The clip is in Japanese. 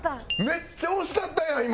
めっちゃ惜しかったやん今！